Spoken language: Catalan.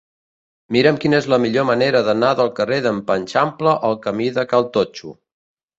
Mira'm quina és la millor manera d'anar del carrer d'en Panxampla al camí de Cal Totxo.